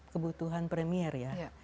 kebutuhan premier ya